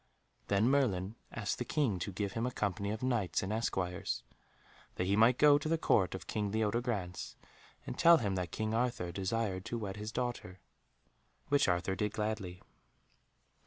Then Merlin asked the King to give him a company of knights and esquires, that he might go to the Court of King Leodegrance and tell him that King Arthur desired to wed his daughter, which Arthur did gladly.